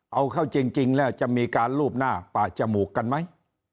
เอาเข้าจริงแล้วจะมีการลูบหน้าปากจมูกกันไหม